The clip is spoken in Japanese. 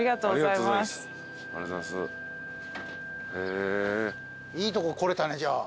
いいとこ来れたねじゃあ。